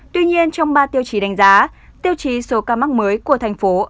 tuy nhiên trong ba tiêu chí đánh giá tiêu chí số ca mắc mới của tp hcm